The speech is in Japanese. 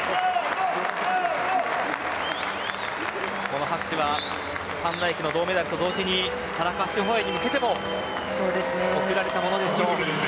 この拍手はファンダイクの銅メダルと同時に田中志歩に向けても送られたものでしょう。